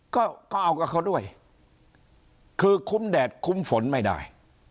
ก็ก็เอากับเขาด้วยคือคุ้มแดดคุ้มฝนไม่ได้